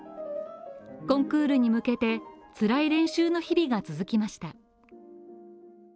コンクールに向けて、つらい練習の日々が続きました。